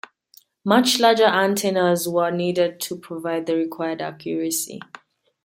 Much larger antennas were needed to provide the required accuracy.